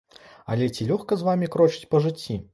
Але ці лёгка з вамі крочыць па жыцці?